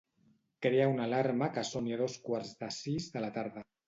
Crea una alarma que soni a dos quarts de sis de la tarda.